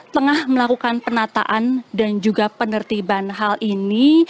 tengah melakukan penataan dan juga penertiban hal ini